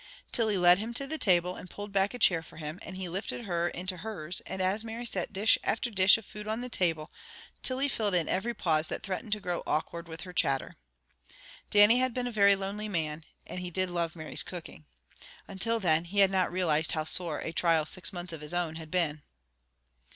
Tilly led him to the table, and pulled back a chair for him, and he lifted her into hers, and as Mary set dish after dish of food on the table, Tilly filled in every pause that threatened to grow awkward with her chatter. Dannie had been a very lonely man, and he did love Mary's cooking. Until then he had not realized how sore a trial six months of his own had been.